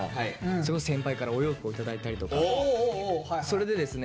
すごい先輩からお洋服を頂いたりとかそれでですね